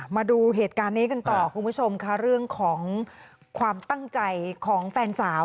มาดูเหตุการณ์นี้กันต่อคุณผู้ชมค่ะเรื่องของความตั้งใจของแฟนสาว